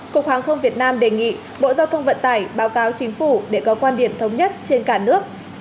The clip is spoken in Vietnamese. cục hàng không việt nam đề nghị bộ giao thông vận tải báo cáo chính phủ để có quan điểm thống nhất trên cả nước